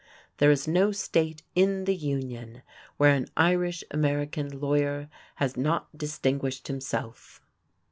There is no State in the Union where an Irish American lawyer has not distinguished himself.